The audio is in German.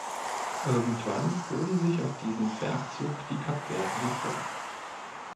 Irgendwann hoben sich auf diesem Bergzug die Kapverden hervor.